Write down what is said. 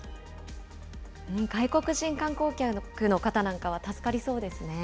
外国人観光客の方なんかは助かりそうですね。